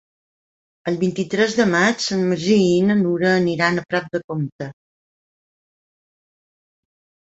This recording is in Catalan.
El vint-i-tres de maig en Magí i na Nura aniran a Prat de Comte.